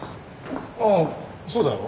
ああそうだよ。